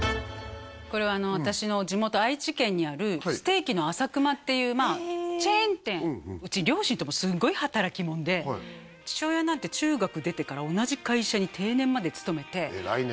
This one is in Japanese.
これは私の地元愛知県にあるステーキのあさくまっていうチェーン店うち父親なんて中学出てから同じ会社に定年まで勤めて偉いね